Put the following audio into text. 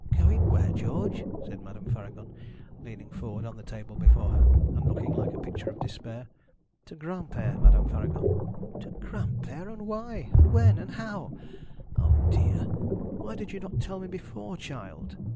'Going where, George?' said Madame Faragon, leaning forward on the table before her, and looking like a picture of despair. 'To Granpere, Madame Faragon.' 'To Granpere! and why? and when? and how? O dear! Why did you not tell me before, child?'